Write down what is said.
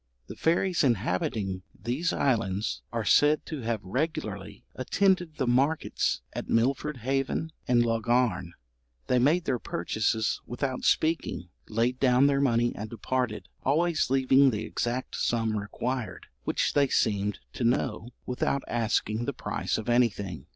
The fairies inhabiting these islands are said to have regularly attended the markets at Milford Haven and Laugharne. They made their purchases without speaking, laid down their money and departed, always leaving the exact sum required, which they seemed to know, without asking the price of anything.